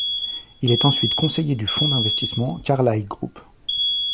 Il est ensuite conseiller du fonds d'investissement Carlyle Group.